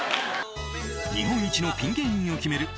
日本一のピン芸人を決める